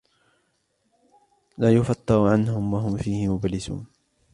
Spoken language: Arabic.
لَا يُفَتَّرُ عَنْهُمْ وَهُمْ فِيهِ مُبْلِسُونَ